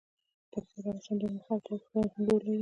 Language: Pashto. پکتیکا د افغانستان د اوږدمهاله پایښت لپاره مهم رول لري.